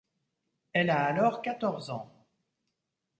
Elle a alors quatorze ans.